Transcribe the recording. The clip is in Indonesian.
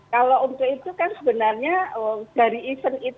kalau untuk itu kan sebenarnya dari event itu